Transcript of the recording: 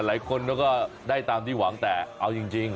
หลายคนเขาก็ได้ตามที่หวังแต่เอาจริง